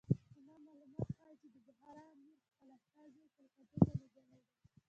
زموږ معلومات ښیي چې د بخارا امیر خپل استازي کلکتې ته لېږلي دي.